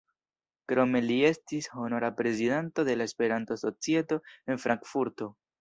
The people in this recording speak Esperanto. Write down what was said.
Krome li estis honora prezidanto de la Esperanto-Societo en Frankfurto.